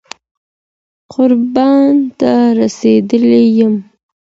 قربان ته رسېدلى يــم